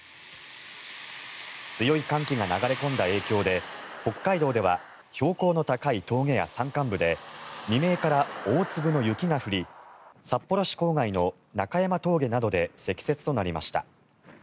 強い寒気が流れ込んだ影響で北海道では標高の高い峠や山間部では未明から大粒の雪が降り札幌市郊外の中山峠などで積雪となりました。